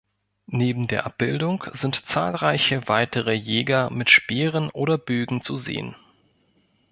Neben der Abbildung sind zahlreiche weitere Jäger mit Speeren oder Bögen zu sehen.